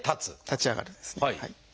立ち上がるんですね。